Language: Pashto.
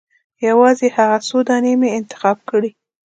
یوازې هغه څو دانې مې انتخاب کړې.